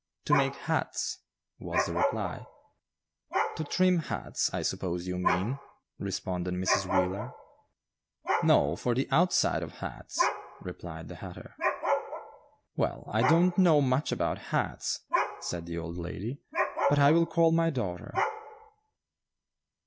"To make hats," was the reply. "To trim hats, I suppose you mean?" responded Mrs. Wheeler. "No, for the outside of hats," replied the hatter. "Well, I don't know much about hats," said the old lady, "but I will call my daughter."